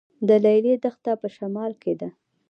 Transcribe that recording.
د لیلی دښته په شمال کې ده